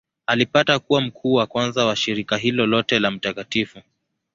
Alipata kuwa mkuu wa kwanza wa shirika hilo lote la Mt.